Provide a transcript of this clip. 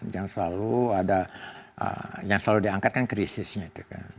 yang selalu ada yang selalu diangkat kan krisisnya itu kan